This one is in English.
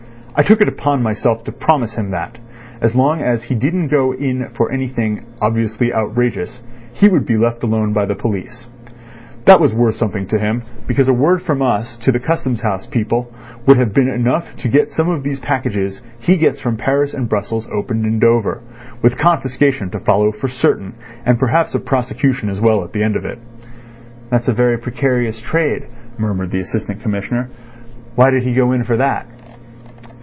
I took it upon myself to promise him that, as long as he didn't go in for anything obviously outrageous, he would be left alone by the police. That was worth something to him, because a word from us to the Custom House people would have been enough to get some of these packages he gets from Paris and Brussels opened in Dover, with confiscation to follow for certain, and perhaps a prosecution as well at the end of it." "That's a very precarious trade," murmured the Assistant Commissioner. "Why did he go in for that?"